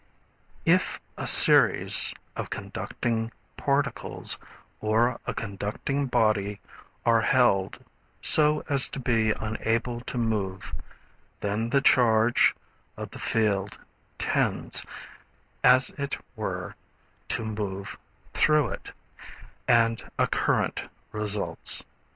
If a series of conducting particles or a conducting body are held so as to be unable to move, then the charge of the field tends, as it were, to move through it, and a current results.